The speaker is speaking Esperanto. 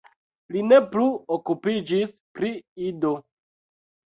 Li ne plu okupiĝis pri Ido.